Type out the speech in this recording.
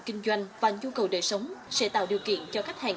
kinh doanh và nhu cầu đời sống sẽ tạo điều kiện cho khách hàng